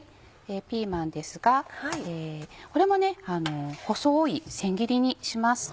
ピーマンですがこれも細い千切りにします。